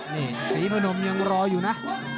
นี่ศรีพนมยังรออยู่นะ